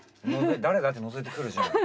「誰だ？」ってのぞいてくるじゃん。